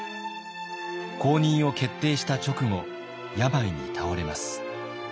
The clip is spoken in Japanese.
後任を決定した直後病に倒れます。